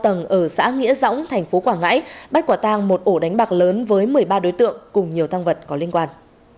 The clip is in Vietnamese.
trong khu vực nhà cao tầng ở xã nghĩa dõng thành phố quảng ngãi bắt quả tang một ổ đánh bạc lớn với một mươi ba đối tượng cùng nhiều thăng vật có liên quan